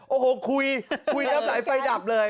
โอ้โฮคุยคุยไฟดับเลย